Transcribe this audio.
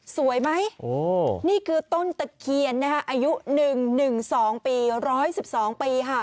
สวยไหมนี่คือต้นตะเคียนอายุ๑๑๒ปี